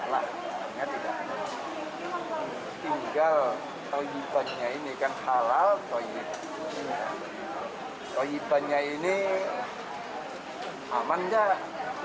masalahnya tidak ada tinggal toibannya ini kan halal toibannya ini aman tidak